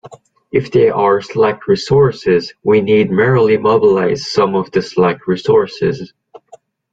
If there are slack resources, we need merely mobilize some of the slack resources.